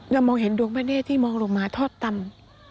แล้วมองเห็นดวงพระเจ้าที่มองลงมาทอดตำ